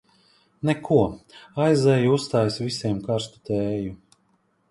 Neko, aizeju uztaisu visiem karstu tēju.